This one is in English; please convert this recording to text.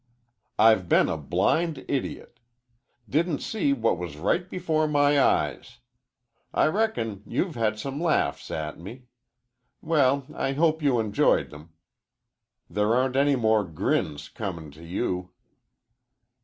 "I've been a blind idiot. Didn't see what was right before my eyes. I reckon you've had some laughs at me. Well, I hope you enjoyed 'em. There aren't any more grins comin' to you."